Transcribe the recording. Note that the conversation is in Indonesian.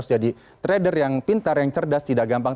jadi mereka menggunakan robot trading